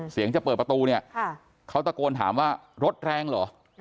จะเปิดประตูเนี่ยเขาตะโกนถามว่ารถแรงเหรอ